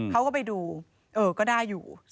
เขาก็ไปดูเออก็ได้อยู่